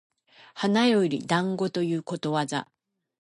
花より団子ということわざ